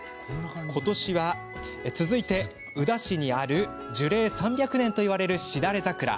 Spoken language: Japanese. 続いて、宇陀市にある樹齢３００年といわれるしだれ桜。